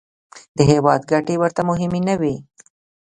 د هېواد ګټې ورته مهمې نه وې.